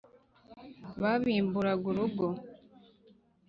Wabimburaga urugo